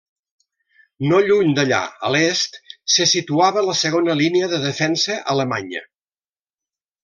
No lluny d'allà, a l'est, se situava la segona línia de defensa alemanya.